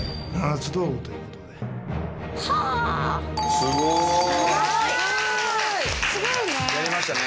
すごいね。